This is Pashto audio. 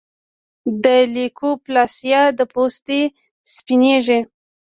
د لیوکوپلاسیا د پوستې سپینېږي.